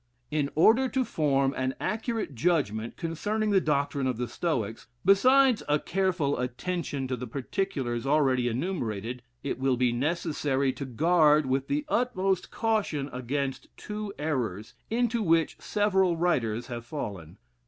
In order to form an accurate judgment concerning the doctrine of the Stoics, besides a careful attention to the particulars already enumerated, it will be necessary to guard with the utmost caution against two errors, into which several writers have fallen.